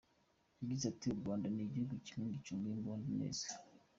Yagize ati “U Rwanda ni igihugu kimwe gicunga imbunda neza.